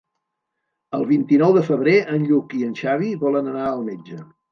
El vint-i-nou de febrer en Lluc i en Xavi volen anar al metge.